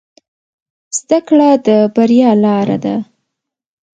زده کړه د بریا لاره ده